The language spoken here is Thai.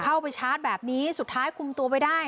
ชาร์จแบบนี้สุดท้ายคุมตัวไปได้